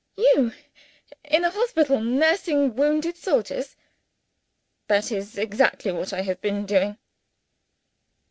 "You, in a hospital, nursing wounded soldiers?" "That is exactly what I have been doing."